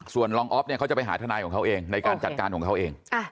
ส่วนรองอ๊อฟเนี่ยเขาจะไปหาทนายของเขาเองในการจัดการของเขาเอง